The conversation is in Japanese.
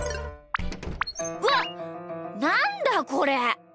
うわなんだこれ！